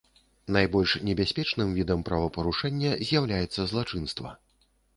Найбольш небяспечным відам правапарушэння з'яўляецца злачынства.